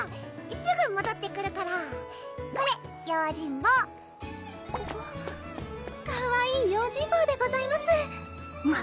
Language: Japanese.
すぐもどってくるからこれ用心棒かわいい用心棒でございます・